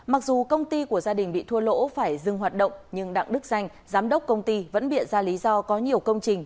mặc dù công ty của gia đình bị thua lỗ phải dừng hoạt động nhưng đặng đức danh giám đốc công ty vẫn biện ra lý do có nhiều công trình